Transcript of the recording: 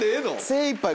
精いっぱい。